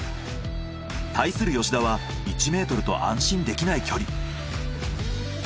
対する吉田は１ｍと安心できない距離。